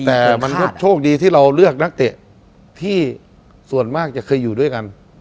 แต่มันก็โชคดีที่เราเลือกนักเตะที่ส่วนมากจะเคยอยู่ด้วยกัน